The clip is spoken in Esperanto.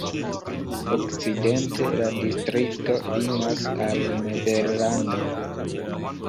Okcidente la distrikto limas al Nederlando.